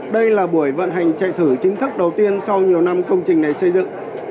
đây là buổi vận hành chạy thử chính thức đầu tiên sau nhiều năm công trình này xây dựng